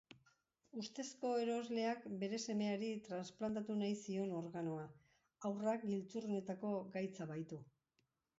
Ustezko erosleak bere semeari transplantatu nahi zion organoa, haurrak giltzurrunetako gaitza baitu.